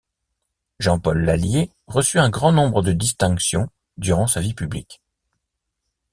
Jean-Paul L'Allier reçut un grand nombre de distinctions durant sa vie publique.